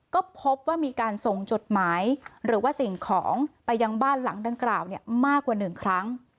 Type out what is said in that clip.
ก็พบว่ามีการส่งจดหมายหรือว่าสิ่งของไปยังบ้านหลังดังกล่าวมากกว่า๑ครั้ง